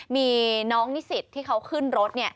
มีน้องนิสิตที่เขาขึ้นรถ